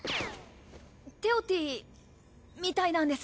テオティみたいなんです。